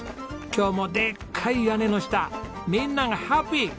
今日もでっかい屋根の下みんながハッピー！